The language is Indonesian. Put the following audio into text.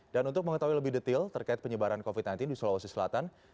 dan untuk mengetahui lebih detail terkait penyebaran covid sembilan belas di sulawesi selatan